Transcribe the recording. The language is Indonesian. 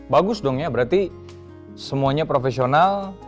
bagus dong ya berarti semuanya profesional